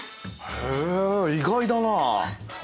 へえ意外だな。